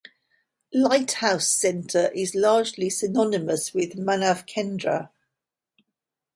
Lighthouse Center is largely synonymous with "Manav Kendra".